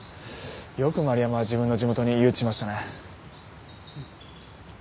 よく丸山は自分の地元に誘致しましたね